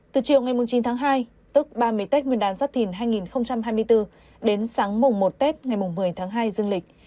từ chiều ngày chín tháng hai tức ba mươi tết nguyên đán giáp thìn hai nghìn hai mươi bốn đến sáng mùng một tết ngày một mươi tháng hai dương lịch